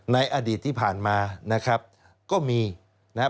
ในอดีตที่ผ่านมานะครับก็มีนะครับ